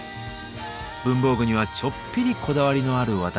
文房具にはちょっぴりこだわりのある私